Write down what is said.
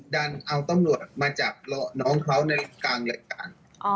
ดันเอาตำรวจมาจับน้องเขาในกลางรายการ